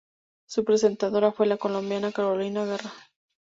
Su presentadora fue la colombiana Carolina Guerra.